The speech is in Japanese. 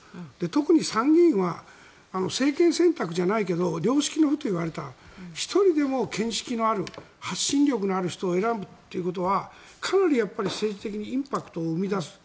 特に参議院は政権選択じゃないけど良識の府といわれた１人でも見識のある発信力のある人を選ぶというのはかなり政治的にインパクトを生み出す。